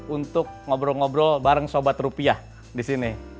untuk ngobrol ngobrol bareng sobat rupiah di sini